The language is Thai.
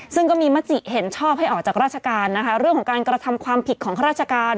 ซึ่งก็มีมติเห็นชอบให้ออกจากราชการนะคะเรื่องของการกระทำความผิดของข้าราชการ